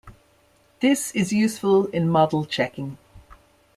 This is useful in model checking.